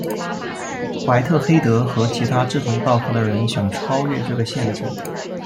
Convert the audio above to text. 怀特黑德和其他志同道合的人想超越这个限制。